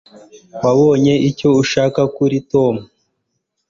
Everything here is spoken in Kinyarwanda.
wabonye icyo ushaka kuri tom